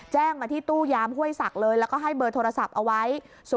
แจ้งมาที่ตู้ยามห้วยศักดิ์เลยแล้วก็ให้เบอร์โทรศัพท์เอาไว้